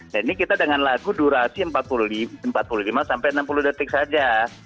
dan ini kita dengan lagu durasi empat puluh lima sampai enam puluh detik saja